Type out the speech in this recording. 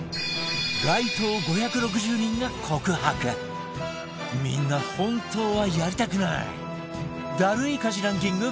街頭５６０人が告白みんな本当はやりたくないダルい家事ランキング